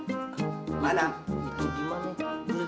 dia biasanya produk dari devi lagi